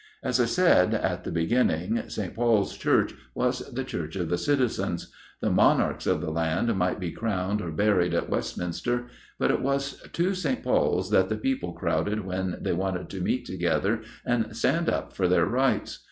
As I said at the beginning, St. Paul's Church was the Church of the Citizens. The Monarchs of the land might be crowned or buried at Westminster, but it was to St. Paul's that the people crowded when they wanted to meet together and stand up for their rights.